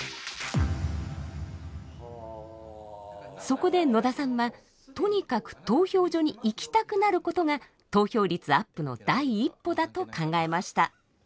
そこで野田さんはとにかく投票所に行きたくなることが投票率アップの第一歩だと考えました。